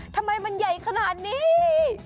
ทำไมมันใหญ่ขนาดนี้